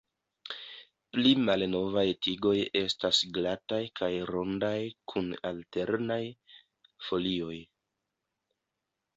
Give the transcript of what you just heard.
Pli malnovaj tigoj estas glataj kaj rondaj kun alternaj folioj.